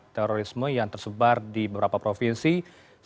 terorisme yang tersebar di beberapa provinsi yang berada di bandung dan jawa barat